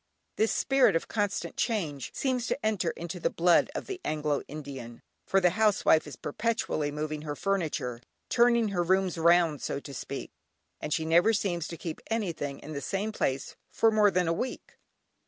This spirit of constant change seems to enter into the blood of the Anglo Indian, for the housewife is perpetually moving her furniture, "turning her rooms round" so to speak, and she never seems to keep anything in the same place for more than a week!